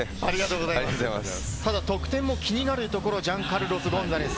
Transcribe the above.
得点も気になるところ、ジャンカルロス・ゴンザレス。